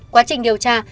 quá trình điều tra